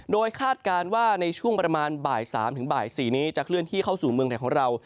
โดยคาดการณ์ว่าในช่วงประมาณบ่าย๓ถึงบ่าย๔นี้จะเคลื่อนที่เข้าสู่เมืองไทยของเรา